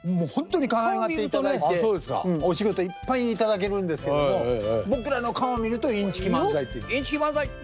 ほんとにかわいがっていただいてお仕事いっぱい頂けるんですけども僕らの顔見ると「インチキ漫才」って言うの。